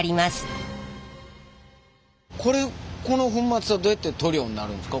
この粉末はどうやって塗料になるんですか？